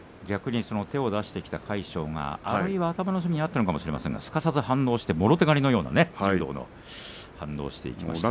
手を出してきた魁勝があるいは頭の隅にあったかもしれませんがすかさず反応して、もろ手刈りのような反応をしました。